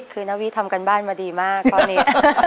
คือนาวิทำการบ้านมาดีมากข้อนี้